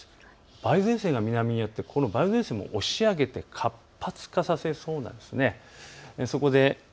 梅雨前線が南にあって梅雨前線を押し上げて活発化させそうです。